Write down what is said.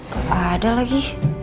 gak ada lagi